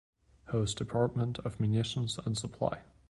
Howe's Department of Munitions and Supply.